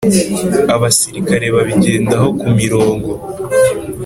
abasirikare babigendaho kumirongo